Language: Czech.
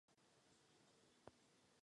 Svátek má Nora.